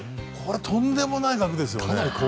とんでもない額ですよね。